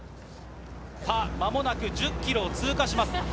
まもなく１０ｋｍを通過します。